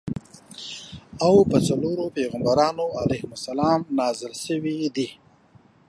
او په څلورو پیغمبرانو علیهم السلام نازل شویدي.